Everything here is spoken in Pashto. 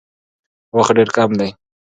وخت ډېر کم دی.